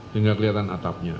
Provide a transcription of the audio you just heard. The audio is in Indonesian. hingga kelihatan atapnya